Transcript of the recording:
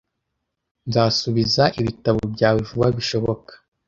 Nzasubiza ibitabo byawe vuba bishoboka.